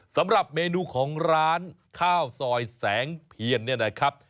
สำหรับเมนูของร้านข้าวซอยแสงเพียนเนี่ยนะครับ